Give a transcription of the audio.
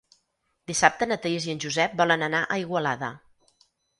Dissabte na Thaís i en Josep volen anar a Igualada.